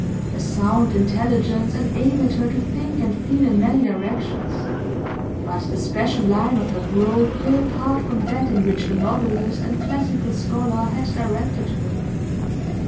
A sound intelligence enabled her to think and feel in many directions, but the special line of her growth lay apart from that in which the novelist and classical scholar had directed her.